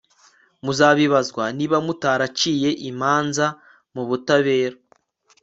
muzabibazwa niba mutaraciye imanza mu butabera